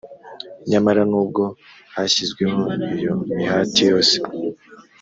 nyamara nubwo hashyizweho iyo mihati yose